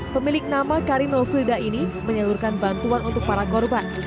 pemilik nama karin ofilda ini menyeluruhkan bantuan untuk para korban